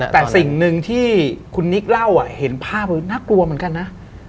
แต่สิ่งหนึ่งที่คุณนิกเล่าเห็นภาพแล้วน่ากลัวเหมือนกันนะ